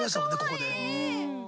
ここで。